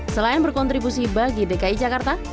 selain berkontribusi bagi dki jakarta